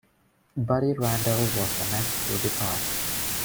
Buddy Randell was the next to depart.